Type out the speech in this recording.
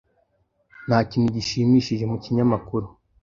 Nta kintu gishimishije mu kinyamakuru.